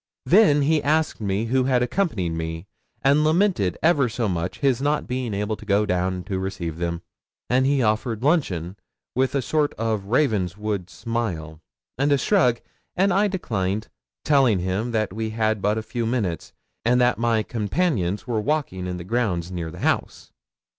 'Then he asked me who had accompanied me, and lamented ever so much his not being able to go down to receive them; and he offered luncheon, with a sort of Ravenswood smile, and a shrug, and I declined, telling him that we had but a few minutes, and that my companions were walking in the grounds near the house.